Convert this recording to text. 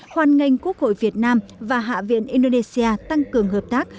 hoàn ngành quốc hội việt nam và hạ viện indonesia tăng cường hợp tác